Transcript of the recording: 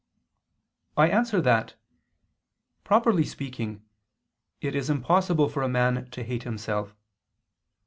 I answer that, Properly speaking, it is impossible for a man to hate himself.